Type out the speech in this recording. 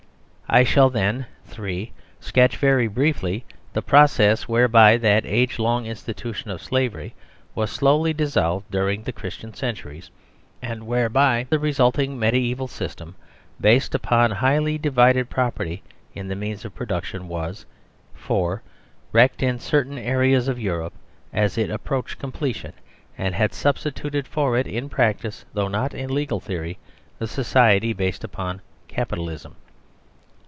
I shall then : (3) Sketch very briefly the process whereby that age long institution of slavery was slowly dissolved during the Christian centuries, and whereby the re sulting mediaeval system, based upon highly divided property in the means of production, was (4) wrecked in certain areas of Europe as it ap proached completion, and had substituted for it, in practice though not in legal theory, a society based upon CAPITALISM.